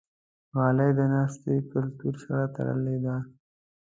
غالۍ د ناستې کلتور سره تړلې ده.